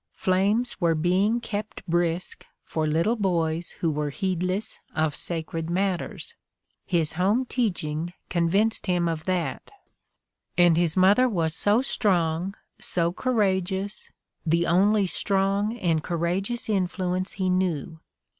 Flames were being kept brisk for little boys who were heedless of sacred matters ; his home teaching convinced The Candidate for Life 37 him of that." And his mother was so strong, so cour ageous, the only strong and courageous influence he knew.